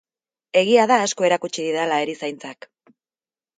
Egia da asko erakutsi didala erizaintzak.